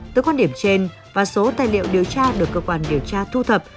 từ quan điểm trên và số tài liệu điều tra được cơ quan điều tra thu thập